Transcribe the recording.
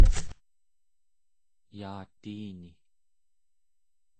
yaatiini